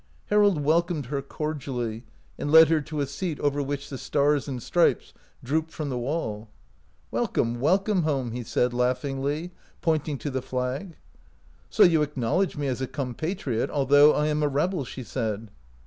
Harold welcomed her cordially, and led her to a seat over which the stars and stripes drooped from the wall. "Welcome, welcome home!" he said, laughingly, pointing to the flag. "So you acknowledge me as a compa triot, although I am a rebel," she said.